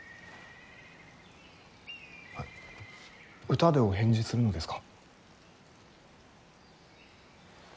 歌でお返事するのですか。